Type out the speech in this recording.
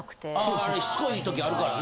ああれしつこいときあるからね。